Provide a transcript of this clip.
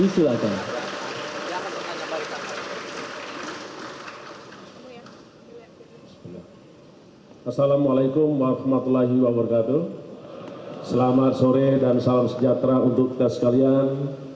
selamat sore dan salam sejahtera untuk kita sekalian